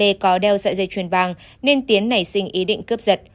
tiến đã đeo sợi dây chuyền vàng nên tiến nảy sinh ý định cướp giật